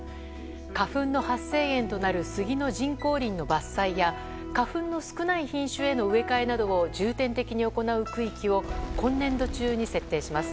花粉の発生源となるスギの人工林の伐採や花粉の少ない品種への植え替えなどを重点的に行う区域を今年度中に設定します。